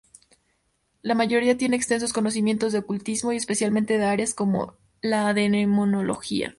La mayoría tiene extensos conocimientos de ocultismo, especialmente de áreas como la demonología.